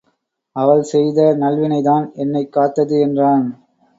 அவள் செய்த நல்வினைதான் என்னைக் காத்தது என்றான்.